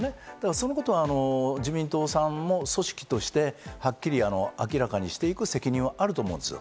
そのこと、自民党さんも組織としてはっきり明らかにしていく責任があると思うんです。